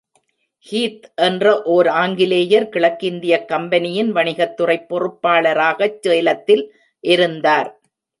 Heath என்ற ஓர் ஆங்கிலேயர், கிழக்கிந்தியக் கம்பெனியின் வணிகத்துறைப் பொறுப்பாளராகச் சேலத்தில் இருந்தார்.